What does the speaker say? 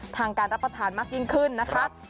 ทางการรับประทานมากยิ่งขึ้นนะคะ